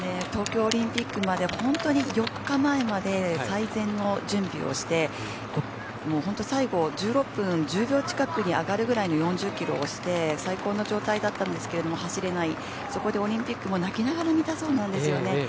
東京オリンピックまで本当に４日前まで最善の準備をして本当最後１６分１０秒近くに上がるくらいの４０キロをして最高の状態だったんですけども走れない、そこでオリンピックも泣きながら見たそうなんですよね。